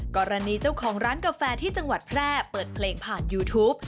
กรณีเจ้าของร้านกาแฟที่จังหวัดแพร่เปิดเพลงผ่านยูทูป